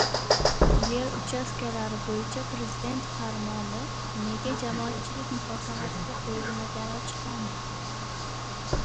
Yer uchastkalari bo‘yicha Prezident farmoni nega jamoatchilik muhokamasiga qo‘yilmagani ochiqlandi